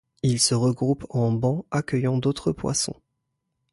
Il se regroupe en bancs accueillant d'autres poissons.